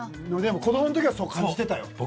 子どもの時はそう感じてたよ。